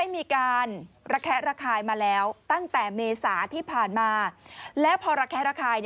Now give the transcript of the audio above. มาแล้วตั้งแต่เมษาที่ผ่านมาและพอระแค้นระคาย